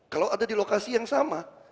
kalau ada di lokasi yang sama